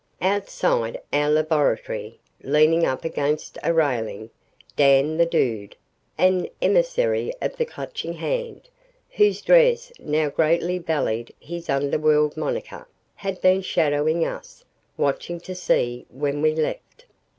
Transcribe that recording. ........ Outside our laboratory, leaning up against a railing, Dan the Dude, an emissary of the Clutching Hand, whose dress now greatly belied his underworld "monniker," had been shadowing us, watching to see when we left.